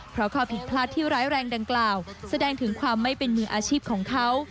เพราะข้อผิดพลาดที่ร้ายแรงดังกล่าวแสดงถึงความไม่เป็นมืออาชีพของเขา